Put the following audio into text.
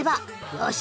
よし！